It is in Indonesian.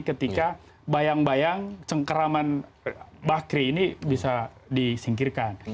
ketika bayang bayang cengkeraman bakri ini bisa disingkirkan